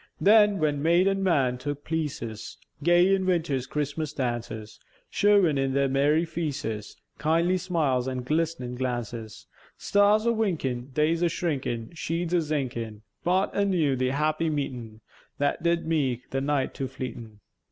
Then, when maïd and man took pleäces, Gay in winter's Chris'mas dances, Showèn in their merry feäces Kindly smiles an' glisnèn glances: Stars a winkèn, Days a shrinkèn, Sheädes a zinkèn, Brought anew the happy meetèn, That did meäke the night too fleetèn.